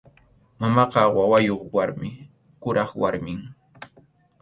Mamaqa wawayuq warmi, kuraq warmim.